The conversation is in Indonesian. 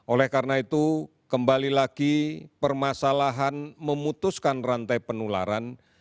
oleh karena itu kembali lagi permasalahan memutuskan rantai penularan